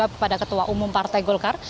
kepada ketua umum partai golkar